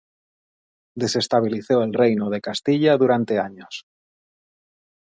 Desestabilizó al Reino de Castilla durante años.